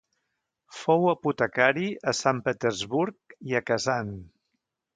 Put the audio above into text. Fou apotecari a Sant Petersburg i a Kazan.